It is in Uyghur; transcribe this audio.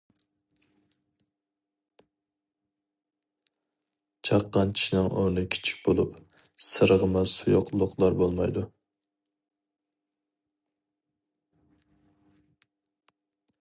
چاققان چىشنىڭ ئورنى كىچىك بولۇپ سىرغىما سۇيۇقلۇقلار بولمايدۇ.